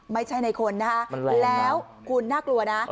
ไม่ใช่ในคนนะคะแล้วคุณน่ากลัวนะ